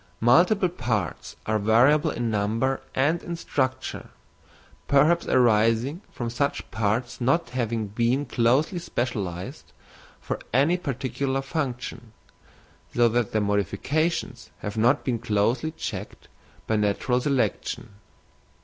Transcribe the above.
Multiple parts are variable in number and in structure, perhaps arising from such parts not having been closely specialised for any particular function, so that their modifications have not been closely checked by natural selection.